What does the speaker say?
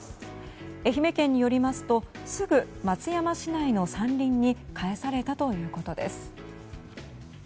愛媛県によりますとすぐ松山市内の山林にかえされたということです。